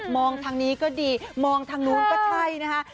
ทางนี้ก็ดีมองทางนู้นก็ใช่นะคะ